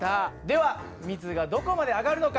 では水がどこまで上がるのか